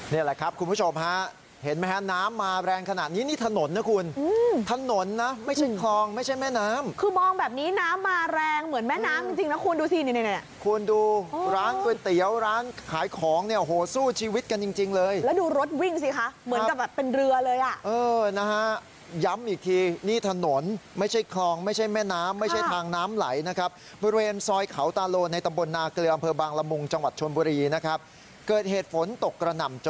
นี่แหละครับคุณผู้ชมฮะเห็นมั้ยฮะน้ำมาแรงขนาดนี้นี่ถนนนะคุณถนนนะไม่ใช่คลองไม่ใช่แม่น้ำคือมองแบบนี้น้ำมาแรงเหมือนแม่น้ำจริงนะคุณดูสิเนี่ยคุณดูร้านก๋วยเตี๋ยวร้านขายของเนี่ยโหสู้ชีวิตกันจริงเลยแล้วดูรถวิ่งสิคะเหมือนกับแบบเป็นเรือเลยอ่ะเออนะฮะย้ำอีกทีนี่ถนนไม่ใช่คลอง